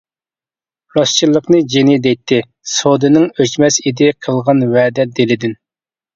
راستچىللىقنى جېنى دەيتتى سودىنىڭ، ئۆچمەس ئىدى قىلغان ۋەدە دىلىدىن.